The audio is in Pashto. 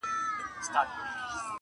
یوه ورځ له ناچارۍ ولاړى حاکم ته-